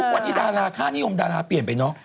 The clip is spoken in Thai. วันนี้ดาราค่านิยมดาราเปลี่ยนไปเนอะ